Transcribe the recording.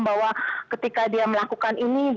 bahwa ketika dia melakukan ini